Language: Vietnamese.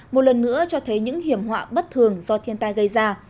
một lần nữa cho thấy những hiểm họa bất thường do thiên tai gây ra